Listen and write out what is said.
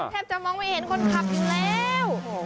แทบจะมองไม่เห็นคนขับอยู่แล้ว